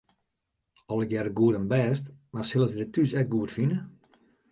Allegearre goed en bêst, mar sille se dit thús ek goed fine?